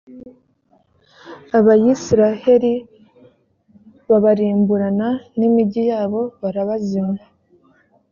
abayisraheli babarimburana n’imigi yabo barabazimya.